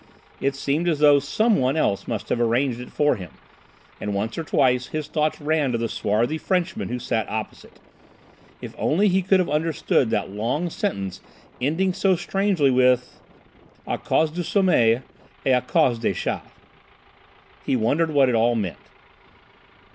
It seemed as though some one else must have arranged it for him, and once or twice his thoughts ran to the swarthy Frenchman who had sat opposite. If only he could have understood that long sentence ending so strangely with "à cause du sommeil et à cause des chats." He wondered what it all meant.